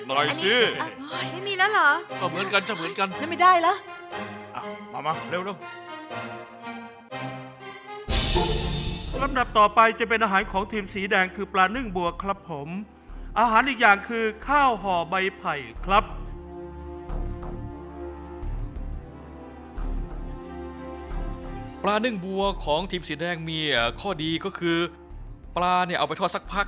เป็นเพราะว่าเจนแข่งรอบแรกทำให้เราเริ่มเหนื่อยกันแล้วนะคะ